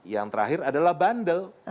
yang terakhir adalah bandel